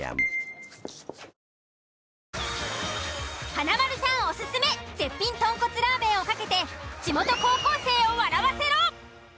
華丸さんオススメ絶品豚骨ラーメンを懸けて地元高校生を笑わせろ！